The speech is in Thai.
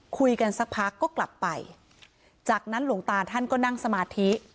สักพักก็กลับไปจากนั้นหลวงตาท่านก็นั่งสมาธิ